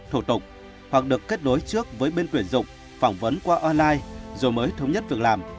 thủ tục hoặc được kết nối trước với bên tuyển dụng phỏng vấn qua online rồi mới thống nhất việc làm